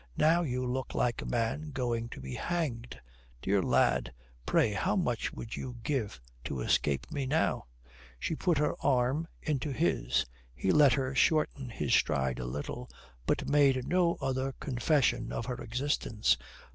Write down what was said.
Now you look like a man going to be hanged. Dear lad! Pray how much would you give to escape me now?" She put her arm into his. He let her shorten his stride a little, but made no other confession of her existence.